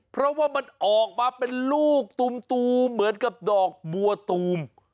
เพราะว่ามันออกมาเป็นลูกตูมเหมือนกับดอกบัวตูม